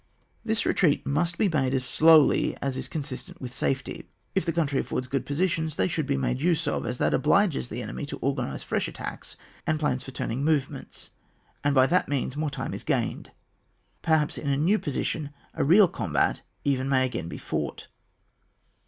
This retreat must be made as slowly as is consistent with safety. If the country affords good positions they should be made use of, as that obliges the enemy to organise fresh attacks and plans for turning moyements, and by that means more time is gained. Perhaps in a new position a real combat even may again be fought.